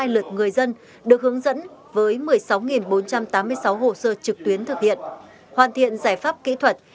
hai mươi ba bốn mươi hai lượt người dân được hướng dẫn với một mươi sáu bốn trăm tám mươi sáu hồ sơ trực tuyến thực hiện hoàn thiện giải pháp kỹ thuật